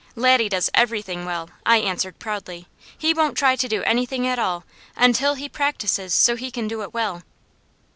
"Laddie does everything well," I answered proudly. "He won't try to do anything at all, until he practises so he can do it well."